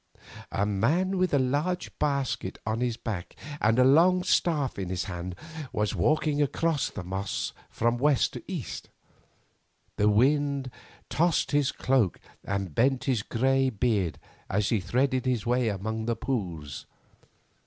A man with a large basket on his back and a long staff in his hand, was walking across the moss from west to east. The wind tossed his cloak and bent his grey beard as he threaded his way among the pools.